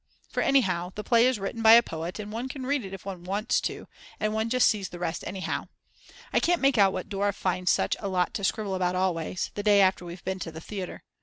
For anyhow the play is written by a poet and one can read it if one wants to, and one just sees the rest anyhow. I can't make out what Dora finds such a lot to scribble about always the day after we've been to the theatre.